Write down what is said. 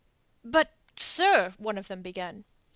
"But, sir..." one of them began.